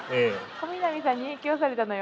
小南さんに影響されたのよ。